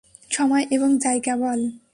সময় এবং জায়গা বল।